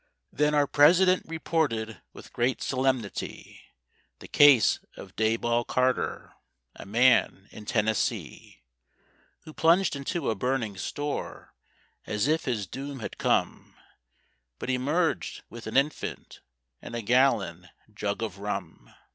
Then our President reported with great solemnity The case of Dayball Carter, a man in Tennessee, Who plunged into a burning store as if his doom had come, But emergéd with an infant—and a gallon jug of rum.